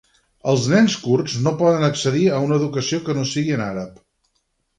Els nens kurds no poden accedir a una educació que no sigui en àrab.